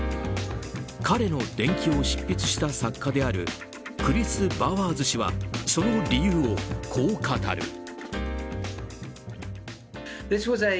彼の伝記を執筆した作家であるクリス・バワーズ氏はその理由をこう語る。